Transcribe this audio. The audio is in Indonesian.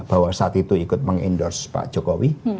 bahwa saat itu ikut mengendorse pak jokowi